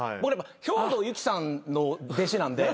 兵藤ゆきさんの弟子なんで。